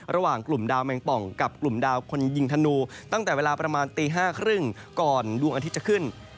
ระหว่างกลุ่มดาวแมงป่องกับกลุ่มดาวคนยิงธนูตั้งแต่เวลาประมาณตี๕๓๐ก่อนดวงอาทิตย์จะขึ้น